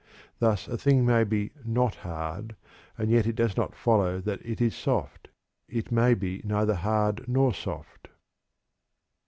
Thus a thing may be "not hard" and yet it does not follow that it is "soft"; it may be neither hard nor soft.